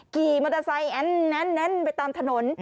ขี่มอเตอร์ไซค์แน่นไปตามถนน